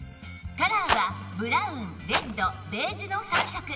カラーはブラウンレッドベージュの３色